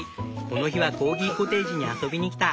この日はコーギコテージに遊びに来た。